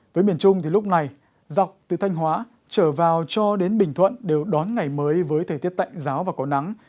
với miền trung thì lúc này dọc từ thanh hóa trở vào cho đến bình thuận đều đón ngày mới với thời tiết tạnh giáo và có nắng